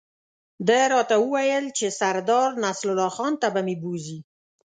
ده راته وویل چې سردار نصرالله خان ته به مې بوزي.